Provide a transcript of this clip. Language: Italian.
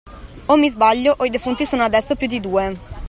O mi sbaglio o i defunti sono adesso più di due!